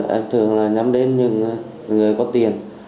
em thường nhắm đến những người có tiền